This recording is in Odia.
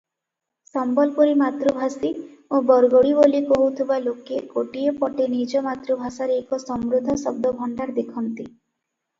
ସମ୍ବଲପୁରୀ ମାତୃଭାଷୀ ଓ ବରଗଡ଼ୀ ବୋଲି କହୁଥିବା ଲୋକେ ଗୋଟିଏ ପଟେ ନିଜ ମାତୃଭାଷାରେ ଏକ ସମୃଦ୍ଧ ଶବ୍ଦଭଣ୍ଡାର ଦେଖନ୍ତି ।